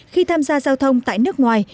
khi tham gia giao thông tại nước ngoài